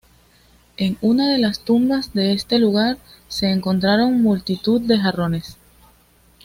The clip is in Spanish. En una de las tumbas de este lugar se encontraron multitud de jarrones.